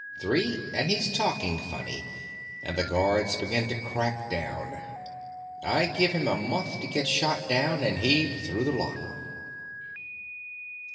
Three and he's talking funny and the guards begin to crack down. I give him a month to get shot down and heaved through the locker."